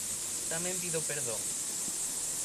Tamén pido perdón.